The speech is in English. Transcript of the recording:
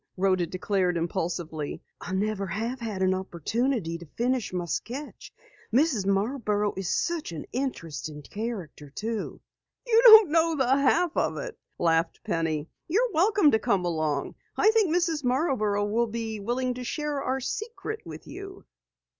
Rhoda declared impulsively. "I never have had an opportunity to finish my sketch. Mrs. Marborough is such an interesting character, too." "You don't know the half of it," laughed Penny. "You're welcome to come along. I think Mrs. Marborough will be willing to share our secret with you."